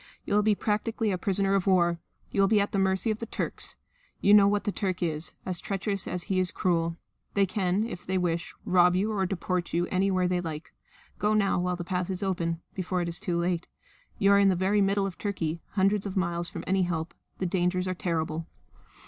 "You will be practically a prisoner of war. You will be at the mercy of the Turks. You know what the Turk is as treacherous as he is cruel. They can, if they wish, rob you or deport you anywhere they like. Go now while the path is open before it is too late. You are in the very middle of Turkey, hundreds of miles from any help. The dangers are terrible."